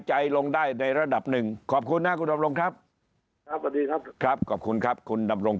ใจลงได้ในระดับหนึ่งขอบคุณครับครับขอบคุณครับคุณดำรง